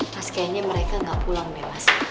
mas kayaknya mereka gak pulang deh mas